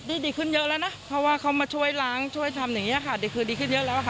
นี่ดีขึ้นเยอะแล้วนะเพราะว่าเขามาช่วยล้างช่วยทำอย่างนี้ค่ะดีคือดีขึ้นเยอะแล้วค่ะ